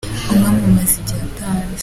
Umwami amaze igihe atanze.